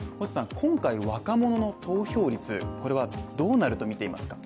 今回の若者の投票率、これはどうなると見ていますか。